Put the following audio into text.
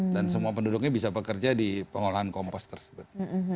dan semua penduduknya bisa bekerja di pengolahan kompos tersebut